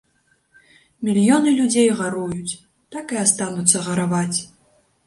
Мільёны людзей гаруюць, так і астануцца гараваць.